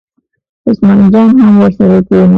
عثمان جان هم ورسره کېناست.